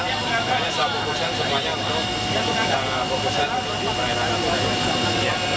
makanya saya fokuskan semuanya untuk fokuskan untuk di perairan natuna ini